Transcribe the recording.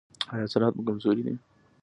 ایا عضلات مو کمزوري دي؟